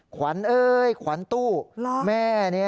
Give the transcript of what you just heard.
ขวัญเอ้ยขวัญตู้แม่นี่